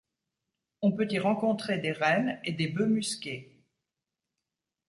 On peut y rencontrer des rennes et des bœufs musqué.